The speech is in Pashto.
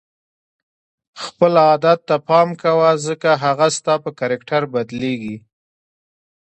خپل عادت ته پام کوه ځکه هغه ستا په کرکټر بدلیږي.